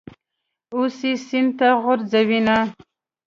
اوس یې سین ته غورځوینه.